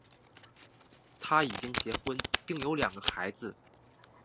他已经结婚并有两个孩子。